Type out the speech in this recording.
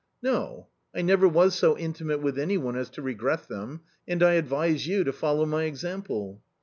" No ! I never was so intimate with any one as to regret them, and I advise you to follow my example."